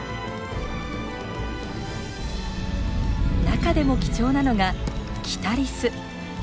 中でも貴重なのがキタリス。